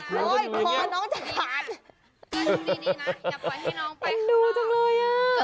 เกอร์จูงดีนะอย่าปล่อยให้น้องไปขู่ข้างนอก